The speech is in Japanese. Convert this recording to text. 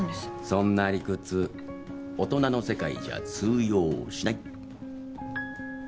そんな理屈大人の世界じゃ通用しない。